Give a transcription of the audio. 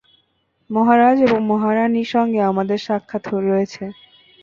মহারাজ এবং মহারাণীর সঙ্গে আমাদের সাক্ষাৎ রয়েছে।